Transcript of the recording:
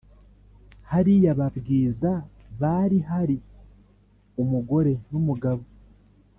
hariya babwiza bari hari umugore numugabo